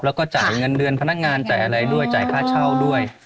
แล้วก็จ่ายเงินเดือนพนักงานจ่ายอะไรด้วยจ่ายค่าเช่าด้วย